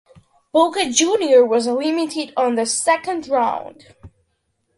Boca Juniors was eliminated on the second round.